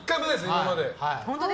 今まで。